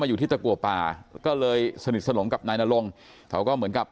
อยู่ที่ตะกัวป่าก็เลยสนิทสนมกับนายนรงเขาก็เหมือนกับ